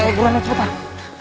ayo gue mau cepet lah